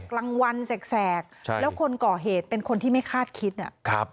กลางวันแสกแล้วคนก่อเหตุเป็นคนที่ไม่คาดคิดนะครับ